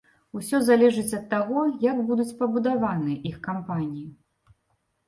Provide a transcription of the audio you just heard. Усё залежыць ад таго, як будуць пабудаваныя іх кампаніі.